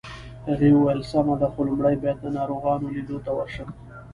هغې وویل: سمه ده، خو لومړی باید د ناروغانو لیدو ته ورشم.